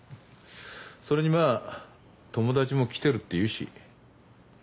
それにまぁ友達も来てるっていうし。